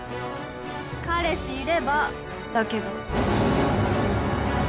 彼氏いればだけど。